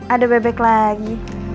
ada bebek lagi